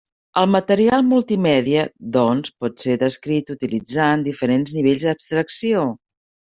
El material multimèdia, doncs, pot ser descrit utilitzant diferents nivells d'abstracció.